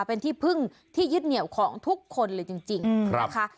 เป็นที่พึ่งที่ยึดเหนียวของทุกคนเลยจริงนะคะ